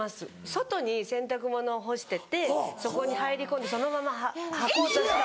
外に洗濯物を干しててそこに入り込んでそのままはこうとした。